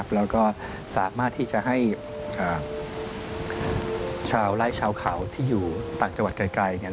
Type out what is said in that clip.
แล้วก็สามารถที่จะให้ชาวไล่ชาวเขาที่อยู่ต่างจังหวัดไกล